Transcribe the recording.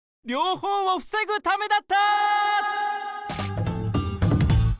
ほうをふせぐためだった！